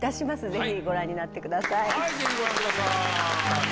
ぜひご覧ください。